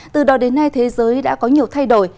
từ đó đến nay thế giới đã có nhiều thay đổi